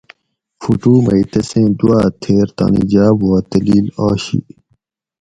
فوٹو مئ تسیں دواۤ تھیر تانی جاب وا تلیل آشی